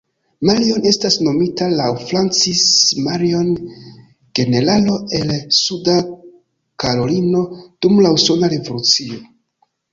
Marion estas nomita laŭ Francis Marion, generalo el Suda Karolino dum la Usona Revolucio.